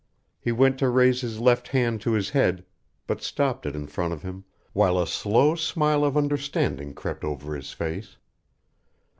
He went to raise his left hand to his head, but stopped it in front of him, while a slow smile of understanding crept over his face.